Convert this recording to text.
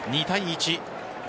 ２対１！